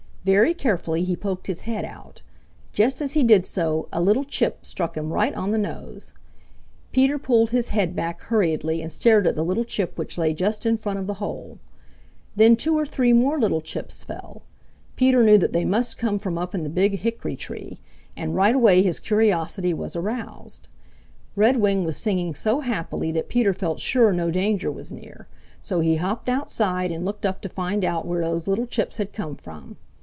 Very carefully he poked his head out. Just as he did so, a little chip struck him right on the nose. Peter pulled his head back hurriedly and stared at the little chip which lay just in front of the hole. Then two or three more little chips fell. Peter knew that they must come from up in the Big Hickory tree, and right away his curiosity was aroused. Redwing was singing so happily that Peter felt sure no danger was near, so he hopped outside and looked up to find out where those little chips had come from.